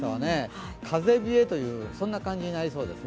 風冷えというそんな感じになりそうですね。